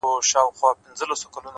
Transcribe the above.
• نه یې مینه سوای له زړه څخه شړلای,